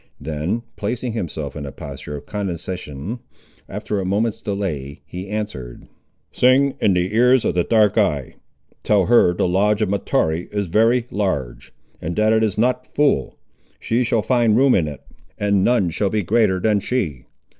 Then placing himself in a posture of condescension, after a moment's delay, he answered— "Sing in the ears of the dark eye. Tell her the lodge of Mahtoree is very large, and that it is not full. She shall find room in it, and none shall be greater than she.